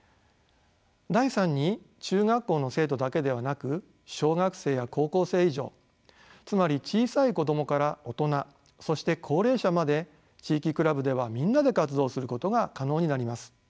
第三に中学校の生徒だけではなく小学生や高校生以上つまり小さい子供から大人そして高齢者まで地域クラブではみんなで活動することが可能になります。